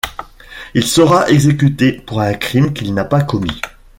Il sera exécuté pour un crime qu'il n'a pas commis.